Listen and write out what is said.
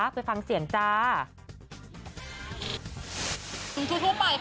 ไปฟังเสียงจ้า